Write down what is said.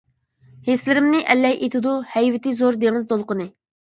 ھېسلىرىمنى ئەللەي ئېتىدۇ، ھەيۋىتى زور دېڭىز دولقۇنى.